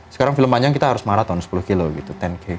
sekarang film panjang kita harus marathon sepuluh kilo gitu